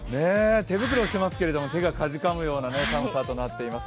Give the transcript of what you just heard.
手袋してますけど手がかじかむような寒さとなっています。